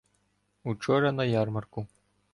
— Учора на ярмарку.